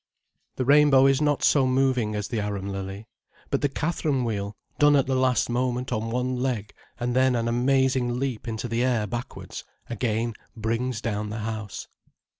The rainbow is not so moving as the arum lily. But the Catherine wheel, done at the last moment on one leg and then an amazing leap into the air backwards, again brings down the house.